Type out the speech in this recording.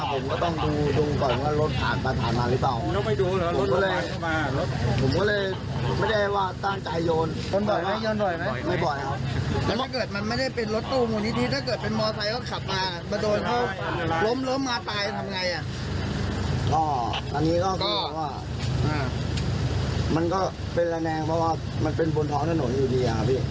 เพราะว่ามันเป็นระแนงมันเป็นบวนท้องถนนอยู่ดี